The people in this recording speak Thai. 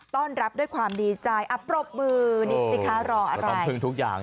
ต้อนรับด้วยความดีใจอัปรบมือนิสติคะรออะไรรับประพึงทุกอย่าง